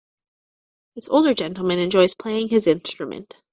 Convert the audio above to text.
This older gentleman enjoys playing his instrument.